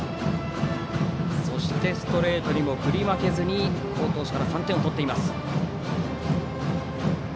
ストレートにも振り負けず好投手から３点取っています。